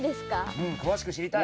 うん詳しく知りたい。